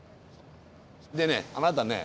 でねあなたね。